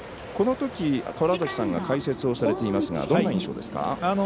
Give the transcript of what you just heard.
このとき、川原崎さんが解説をされていますがどんな印象ですか？